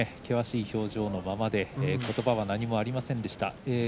険しい表情のままでことばは何もありませんでした。